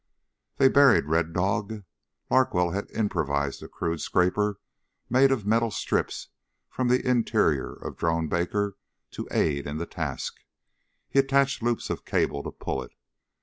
They buried Red Dog. Larkwell had improvised a crude scraper made of metal strips from the interior of Drone Baker to aid in the task. He attached loops of cable to pull it.